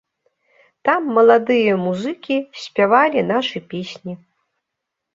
Там маладыя музыкі спявалі нашы песні.